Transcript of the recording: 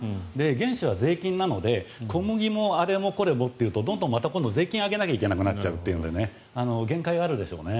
原資は税金なので小麦もあれもこれもというとどんどん税金を上げなきゃいけなくなっちゃうというので限界があるでしょうね。